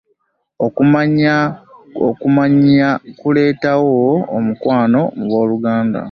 okumanyaganya kuleetawo omukwano mu booluganda.